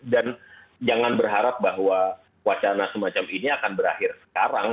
dan jangan berharap bahwa wacana semacam ini akan berakhir sekarang